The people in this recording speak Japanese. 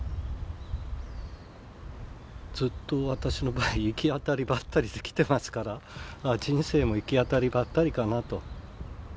ずっと私の場合行き当たりばったりできてますから人生も行き当たりばったりかなと。